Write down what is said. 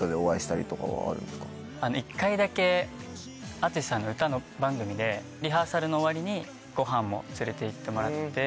１回だけＡＴＳＵＳＨＩさんが歌番組でリハーサルの終わりにごはんも連れて行ってもらって。